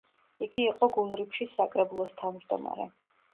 იგი იყო გულრიფშის საკრებულოს თავმჯდომარე.